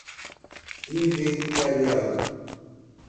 inventariado